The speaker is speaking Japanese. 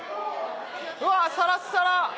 うわサラッサラ。